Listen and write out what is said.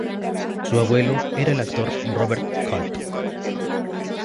Su abuelo era el actor Robert Culp.